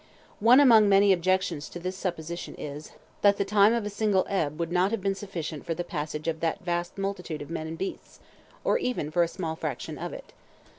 One among many objections to this supposition is, that the time of a single ebb would not have been sufficient for the passage of that vast multitude of men and beasts, or even for a small fraction of it.